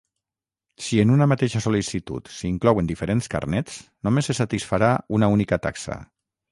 Si en una mateixa sol·licitud s'inclouen diferents carnets, només se satisfarà una única taxa.